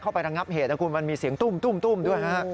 ไประงับเหตุนะคุณมันมีเสียงตุ้มด้วยฮะ